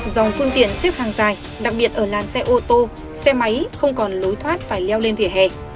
dòng phương tiện xếp hàng dài đặc biệt ở làn xe ô tô xe máy không còn lối thoát phải leo lên vỉa hè